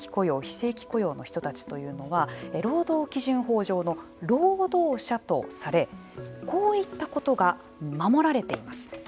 非正規雇用の人たちというのは労働基準法上の労働者とされこういったことが守られています。